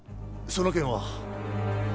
その件は